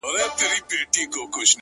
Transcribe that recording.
• خدايه هغه داسي نه وه ـ